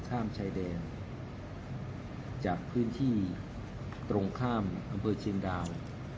ข้ามชายแดนจากพื้นที่ตรงข้ามอำเภอเชียงดาว